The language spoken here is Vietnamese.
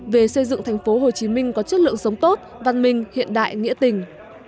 về xây dựng thành phố hồ chí minh có chất lượng sống tốt văn minh hiện đại nghĩa tình